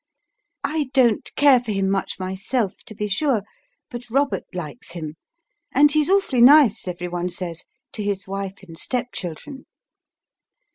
"I don't care for him much myself, to be sure, but Robert likes him. And he's awfully nice, every one says, to his wife and step children."